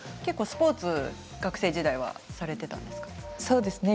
スポーツ、学生時代もされていたんですね。